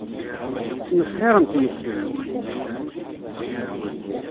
Ssmesxirent yes-m.